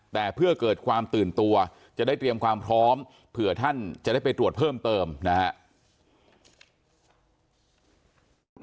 แต่เพื่อเกิดความตื่นตัวจะได้เตรียมความพร้อมเผื่อท่านจะได้ไปตรวจเพิ่มเติมนะครับ